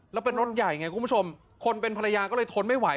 แล้วเป็นรถใหญ่ไงคุณผู้ชมคนเป็นภรรยาก็เลยทนไม่ไหว